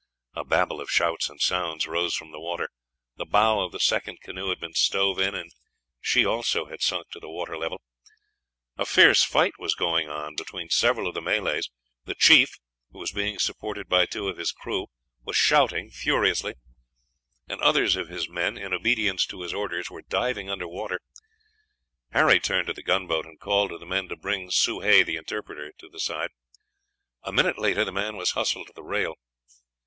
A babel of shouts and sounds rose from the water; the bow of the second canoe had been stove in, and she also had sunk to the water level; a fierce fight was going on between several of the Malays; the chief, who was being supported by two of his crew, was shouting furiously; and others of his men, in obedience to his orders, were diving under water. Harry turned to the gunboat, and called to the men to bring Soh Hay, the interpreter, to the side. A minute later the man was hustled to the rail.